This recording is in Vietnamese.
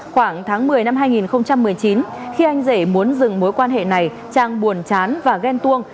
khoảng tháng một mươi năm hai nghìn một mươi chín khi anh rể muốn dừng mối quan hệ này trang buồn chán và ghen tuông